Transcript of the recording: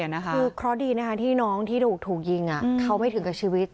คือเคราะห์ดีนะคะที่น้องที่ถูกยิงเขาไม่ถึงกับชีวิต